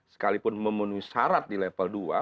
sekalipun memenuhi syarat di level dua